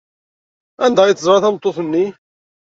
Anda ay teẓra tameṭṭut-nni?